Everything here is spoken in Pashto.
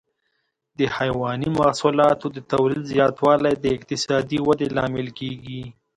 د حيواني محصولاتو د تولید زیاتوالی د اقتصادي ودې لامل کېږي.